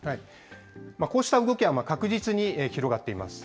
こうした動きは確実に広がっています。